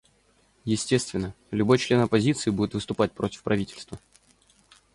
Естественно, любой член оппозиции будет выступать против правительства.